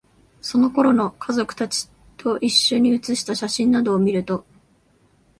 その頃の、家族達と一緒に写した写真などを見ると、